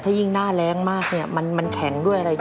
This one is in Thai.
ถ้ายิ่งหน้าแรงมากเนี่ยมันแข็งด้วยอะไรด้วย